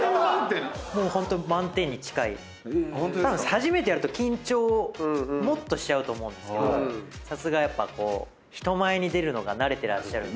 初めてやると緊張もっとしちゃうと思うんですがさすがやっぱ人前に出るのが慣れてらっしゃるので。